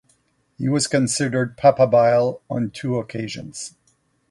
He was considered "papabile" on two occasions.